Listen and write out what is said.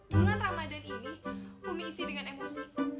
bulan ramadhan ini umi isi dengan emosi